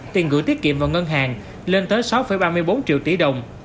tiền gửi tiết kiệm vào ngân hàng lên tới sáu ba mươi bốn triệu tỷ đồng